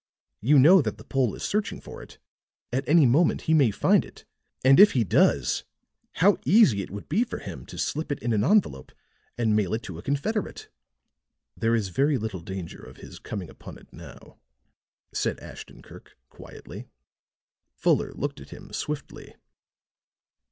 You know that the Pole is searching for it; at any moment he may find it, and if he does, how easy it would be for him to slip it in an envelope and mail it to a confederate." "There is very little danger of his coming upon it now," said Ashton Kirk quietly. Fuller looked at him swiftly.